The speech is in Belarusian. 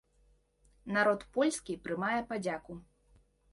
Народ польскі прымае падзяку.